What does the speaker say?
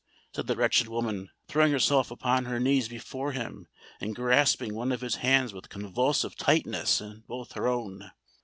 said the wretched woman, throwing herself upon her knees before him and grasping one of his hands with convulsive tightness in both her own.